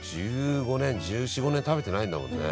約１５年１４１５年食べてないんだもんね。